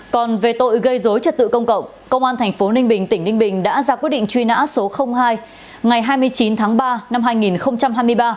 còn về tội gây dối trật tự công cộng công an tp ninh bình tỉnh ninh bình đã ra quyết định truy nã số hai ngày hai mươi chín tháng ba năm hai nghìn hai mươi ba